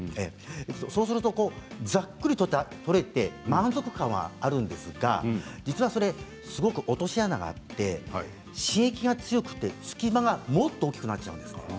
そうすると、ざっくりと取れて満足感はあるんですが実は、それはすごく落とし穴があって刺激が強くて、隙間がもっと大きくなっちゃうんです。